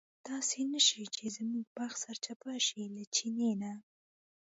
داسې نه شي چې زموږ بخت سرچپه شي له چیني نه.